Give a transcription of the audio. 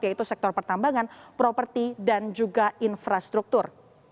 yaitu sektor pertambangan properti dan juga infrastruktur